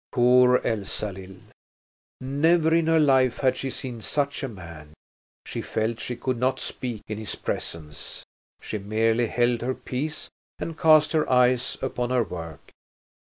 Poor Elsalill! Never in her life had she seen such a man. She felt she could not speak in his presence; she merely held her peace and cast her eyes upon her work.